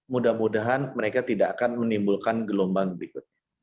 mudah mudahan mereka tidak akan menimbulkan gelombang berikutnya